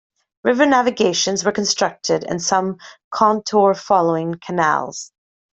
River navigations were constructed, and some contour-following canals.